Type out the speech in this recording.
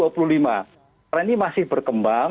karena ini masih berkembang